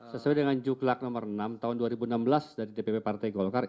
sesuai dengan juklak nomor enam tahun dua ribu enam belas dari dpp partai golkar